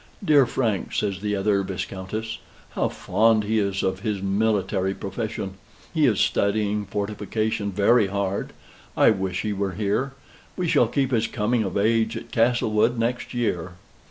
"Dear Frank," says the other viscountess, "how fond he is of his military profession! He is studying fortification very hard. I wish he were here. We shall keep his coming of age at Castlewood next year."